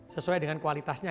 sesuai dengan kualitasnya